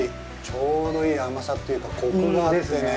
ちょうどいい甘さというか、コクがあってね。